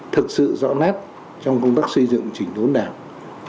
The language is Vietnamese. thực sự rõ nát trong công tác xây dựng trình tố đảng